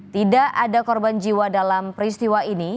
tidak ada korban jiwa dalam peristiwa ini